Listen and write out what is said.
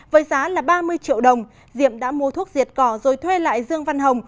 với giá là ba mươi triệu đồng diệm đã mua thuốc diệt cỏ rồi thuê lại dương văn hồng